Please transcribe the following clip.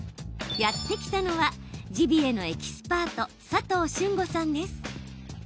やって来たのはジビエのエキスパート佐藤駿悟さんです。